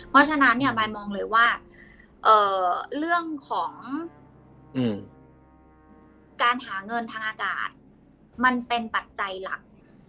เพราะฉะนั้นเนี่ยบายมองเลยว่าเรื่องของการหาเงินทางอากาศมันเป็นปัจจัยหลัก